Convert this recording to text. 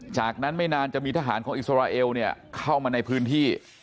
จากนั้นไม่นานจะมีทหารของอิสราเอลเข้ามาในพื้นที่